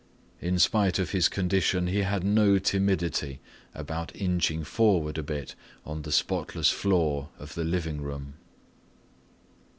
In spite of his condition he had no timidity about inching forward a bit on the spotless floor of the living room.